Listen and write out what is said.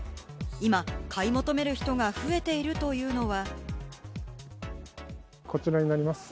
今、買い求める人が増えているというのは。